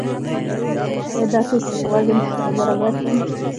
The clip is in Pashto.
آیا دا توکي په وزن کې سره برابر دي؟